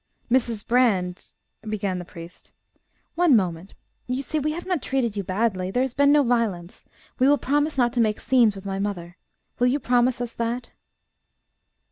"Mrs. Brand " began the priest. "One moment.... You see, we have not treated you badly. There has been no violence. We will promise not to make scenes with my mother. Will you promise us that?"